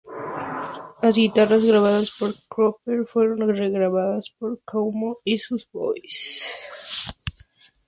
Las guitarras grabadas por Cropper fueron regrabadas por Cuomo y sus voces por Bell.